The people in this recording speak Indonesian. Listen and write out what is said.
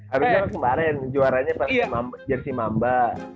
harusnya pas kemarin juaranya pas jersey mamba